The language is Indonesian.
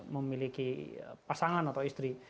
memiliki pasangan atau istri